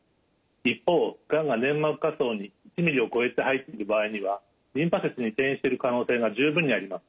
一方がんが粘膜下層に１ｍｍを超えて入ってる場合にはリンパ節に転移してる可能性が十分にあります。